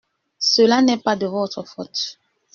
Cela n’est pas de votre faute !